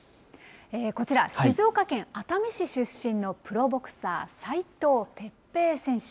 こちら、静岡県熱海市出身のプロボクサー、齋藤哲平選手。